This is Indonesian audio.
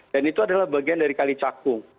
dan itu adalah bagian dari kalicakung